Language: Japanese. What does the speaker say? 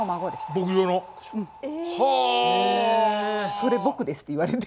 「それ僕です」って言われて。